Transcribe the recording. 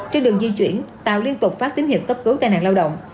trên đường di chuyển tàu liên tục phát tín hiệu cấp cứu tai nạn lao động